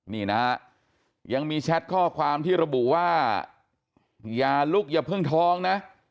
นี่นะฮะยังมีแชทข้อความที่ระบุว่าอย่าลุกอย่าเพิ่งท้องนะ